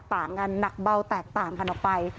สถานการณ์หนักเบาแตกต่างกันออกไป